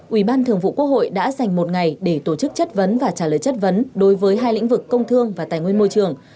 ủy ban thường vụ quốc hội đã dành một ngày để tổ chức chất vấn và trả lời chất vấn đối với hai lĩnh vực công thương và tài nguyên môi trường